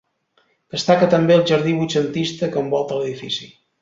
Destaca també el jardí vuitcentista que envolta l'edifici.